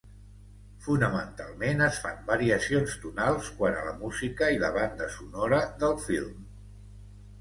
Fonamentalment, es fan variacions tonals quant a la música i la banda sonora del film.